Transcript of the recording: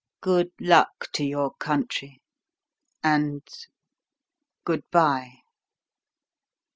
Good luck to your country and good bye!"